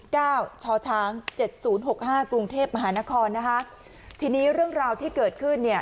เก้าช้อช้างเจ็ดศูนย์หกห้ากรุงเทพมหานครนะคะทีนี้เรื่องราวที่เกิดขึ้นเนี่ย